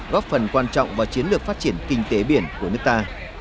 góp phần quan trọng vào chiến lược phát triển kinh tế biển của nước ta